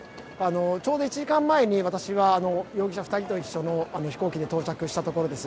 ちょうど１時間前に私は容疑者２人と一緒の飛行機で到着したところです。